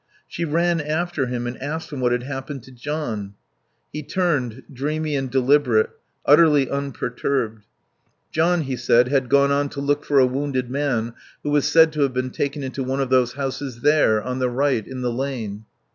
She ran after him and asked him what had happened to John. He turned, dreamy and deliberate, utterly unperturbed. John, he said, had gone on to look for a wounded man who was said to have been taken into one of those houses there, on the right, in the lane.